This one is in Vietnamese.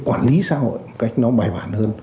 quản lý xã hội cách nó bài bản hơn